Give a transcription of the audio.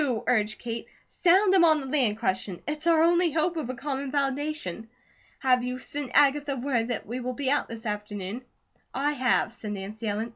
urged Kate. "Sound him on the land question. It's our only hope of a common foundation. Have you send Agatha word that we will be out this afternoon?" "I have," said Nancy Ellen.